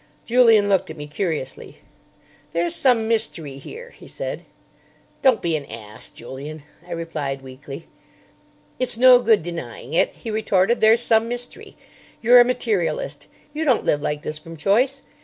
Julian looked at me curiously. "There's some mystery here," he said. "Don't be an ass, Julian," I replied weakly. "It's no good denying it," he retorted; "there's some mystery. You're a materialist. You don't live like this from choice.